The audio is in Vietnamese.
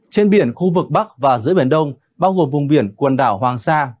trên biển khu vực bắc và giữa biển đông bao gồm vùng biển quần đảo hoàng sa